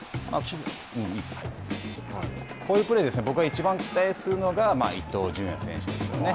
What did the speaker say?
こういうプレーで僕がいちばん期待するのが伊藤淳哉選手ですよね。